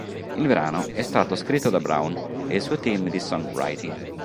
Il brano è stato scritto da Brown e il suo team di songwriting.